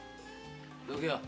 どけよ。